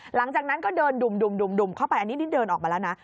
หลังจากนั้นก็เดินดุ่มเข้าไปอันนี้นี่เดินออกมาแล้วนะ